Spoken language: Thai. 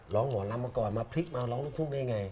หมอลำมาก่อนมาพลิกมาร้องลูกทุ่งได้ไง